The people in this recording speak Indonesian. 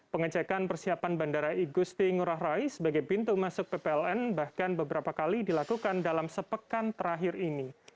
pengecekan persiapan bandara igusti ngurah rai sebagai pintu masuk ppln bahkan beberapa kali dilakukan dalam sepekan terakhir ini